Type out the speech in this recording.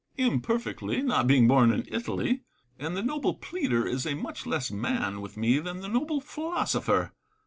Imperfectly, not being born in Italy ; and the noble pleader is a much less man with me than the noble philosopher.